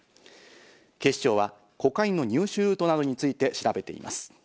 警視庁はコカインの入手ルートなどについて調べています。